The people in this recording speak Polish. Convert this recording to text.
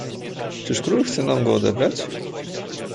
"czyż król chce nam go odebrać?"